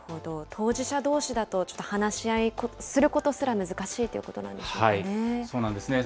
当事者どうしだと、ちょっと話し合いすることすら難しいということなんでしょうかね。